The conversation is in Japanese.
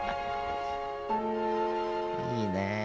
いいねえ。